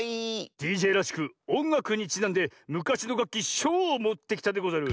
ＤＪらしくおんがくにちなんでむかしのがっきしょうをもってきたでござる。